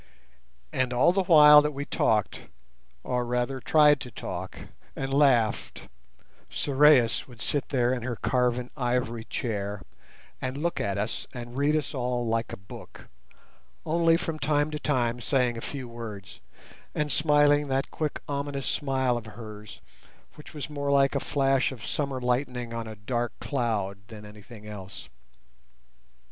And all the while that we talked, or rather tried to talk, and laughed, Sorais would sit there in her carven ivory chair, and look at us and read us all like a book, only from time to time saying a few words, and smiling that quick ominous smile of hers which was more like a flash of summer lightning on a dark cloud than anything else.